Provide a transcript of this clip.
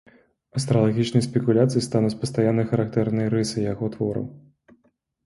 Астралагічныя спекуляцыі стануць пастаяннай характэрнай рысай яго твораў.